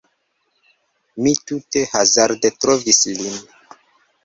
Mi tute hazarde trovis lin